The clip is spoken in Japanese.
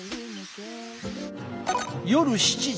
夜７時。